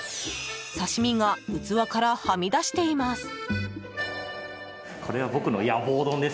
刺し身が器からはみ出しています。